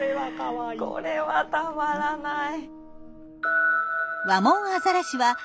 これはたまらない。